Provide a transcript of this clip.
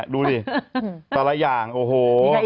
ดูสิแต่ละอย่างโอ้โห